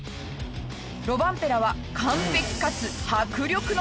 ロバンペラは完璧かつ迫力のドリフト。